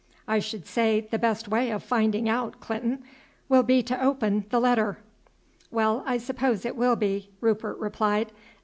"I should say the best way of finding out, Clinton, will be to open the letter." "Well, I suppose it will be," Rupert replied.